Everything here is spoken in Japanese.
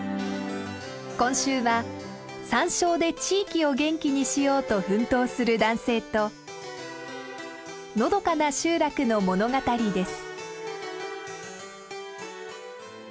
今週はサンショウで地域を元気にしようと奮闘する男性とのどかな集落の物語です。